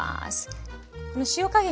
この塩加減もね